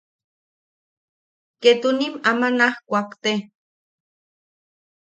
Ketunim ama naaj kuakte.